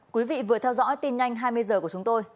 quý vị vừa theo dõi tin nhanh hai mươi h của chúng tôi